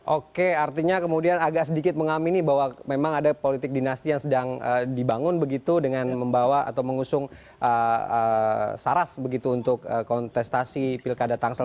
oke artinya kemudian agak sedikit mengamini bahwa memang ada politik dinasti yang sedang dibangun begitu dengan membawa atau mengusung saras begitu untuk kontestasi pilkada tangsel